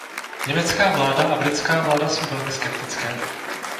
Německá vláda a britská vláda jsou velmi skeptické.